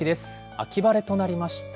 秋晴れとなりました。